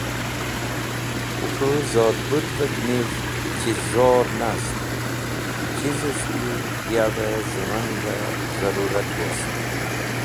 Tẽ k̃hũ zodbũd’vev niv chiz zor nast chizes̃h ki yav-e zẽman’v-e zarũt wost.